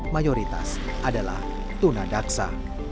mayoritas adalah tunadaksa